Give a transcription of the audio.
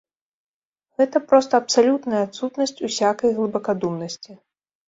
Гэта проста абсалютная адсутнасць усякай глыбакадумнасці.